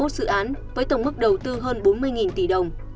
dự án với tổng mức đầu tư hơn bốn mươi tỷ đồng